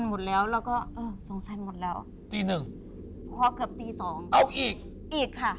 พุ่งออกอีก